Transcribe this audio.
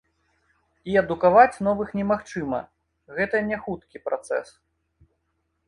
І адукаваць новых немагчыма, гэта не хуткі працэс.